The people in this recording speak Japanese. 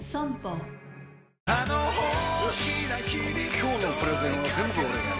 今日のプレゼンは全部俺がやる！